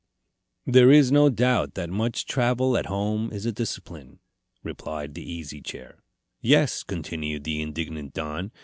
"There is no doubt that much travel at home is a discipline," replied the Easy Chair. "Yes," continued the indignant Don.